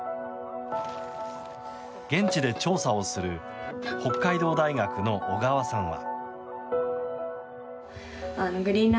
現地で調査をする北海道大学の小川さんは。